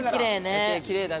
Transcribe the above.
夜景きれいだね。